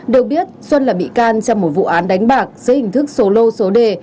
được biết xuân là bị can trong một vụ án đánh bạc dưới hình thức số lô số đề